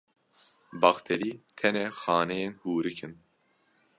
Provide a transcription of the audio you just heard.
Bakterî tenê xaneyên hûrik in.